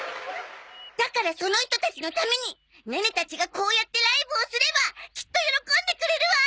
だからその人たちのためにネネたちがこうやってライブをすればきっと喜んでくれるわ！